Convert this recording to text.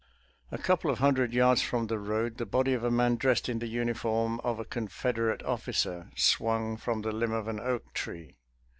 *•« A couple of hundred yards from the road the body of a man dressed in the uniform of a Con federate officer swung from the limb of an oak tree.